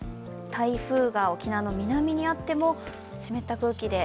台風が沖縄の南にあっても湿った空気で